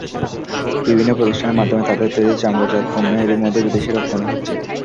বিভিন্ন প্রতিষ্ঠানের মাধ্যমে তাঁদের তৈরি চামড়াজাত পণ্য এরই মধ্যে বিদেশে রপ্তানি হচ্ছে।